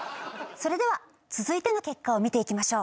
それでは続いての結果を見ていきましょう。